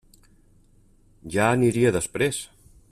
Ja aniria després!